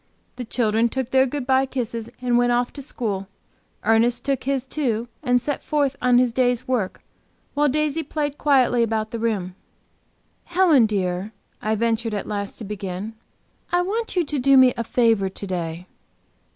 The children took their good by kisses and went off to school; Ernest took his, too, and set forth on his day's work, while Daisy played quietly about the room. "Helen, dear," I ventured at last to begin "I want you to do me a favor to day."